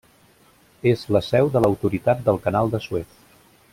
És la seu de l'Autoritat del Canal de Suez.